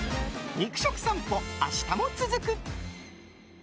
肉食さんぽ、明日も続く！